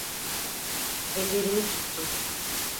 Ellerini tuttum.